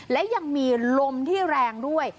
และยังมีลมที่แรงด้วย